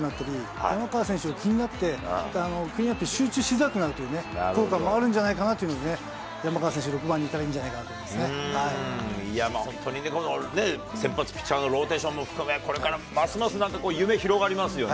山川選手が気になって、クリーンアップに集中しづらくなるという効果もあるんじゃないかなというふうにね、山川選手、６番にいったらいいんじゃないかこの先発ピッチャーのローテーションも含め、ますますこれから夢膨らみますよね。